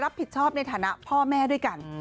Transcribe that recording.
รับผิดชอบในฐานะพ่อแม่ด้วยกัน